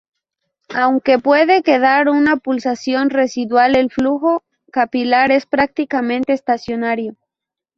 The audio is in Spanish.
Aunque puede quedar una pulsación residual el flujo capilar es prácticamente estacionario.